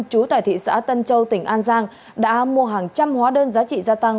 chú tại thị xã tân châu tỉnh an giang đã mua hàng trăm hóa đơn giá trị gia tăng